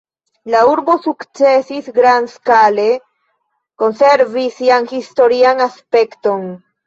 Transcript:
La urbo sukcesis grandskale konservi sian historian aspekton.